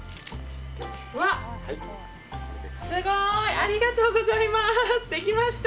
うわ、すごい！ありがとうございます。